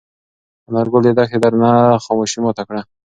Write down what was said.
انارګل د دښتې درنه خاموشي ماته کړه.